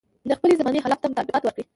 د خپلې زمانې حالاتو ته مطابقت ورکړي.